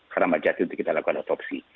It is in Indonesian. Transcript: karena mbak jati untuk kita lakukan otopsi